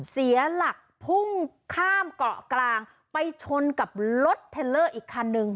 เสียหลักพุ่งข้ามเกาะกลางไปชนกับรถเทลเลอร์อีกคันนึง